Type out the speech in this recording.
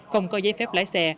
không có giấy phép lái xe